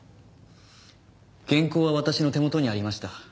原稿は私の手元にありました。